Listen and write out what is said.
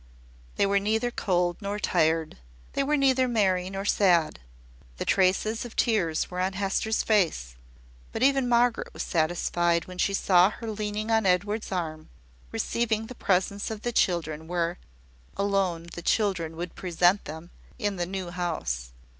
They were neither cold nor tired; they were neither merry nor sad. The traces of tears were on Hester's face; but even Margaret was satisfied when she saw her leaning on Edward's arm, receiving the presents of the children where alone the children would present them in the new house.